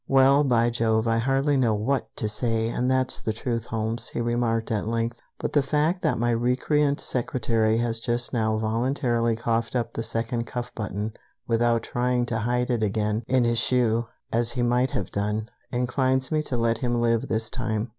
"Well, by Jove, I hardly know what to say, and that's the truth, Holmes," he remarked at length; "but the fact that my recreant secretary has just now voluntarily coughed up the second cuff button without trying to hide it again in his shoe, as he might have done, inclines me to let him live this time.